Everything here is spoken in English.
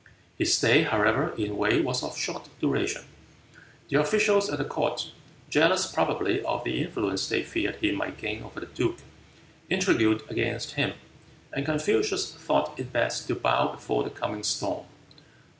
His stay, however, in Wei was of short duration. The officials at the court, jealous probably of the influence they feared he might gain over the duke, intrigued against him, and Confucius thought it best to bow before the coming storm.